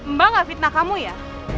mbak nggak fitnah kamu ya